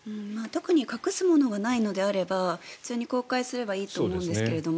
特に隠すものがないのであれば普通に公開すればいいと思うんですけど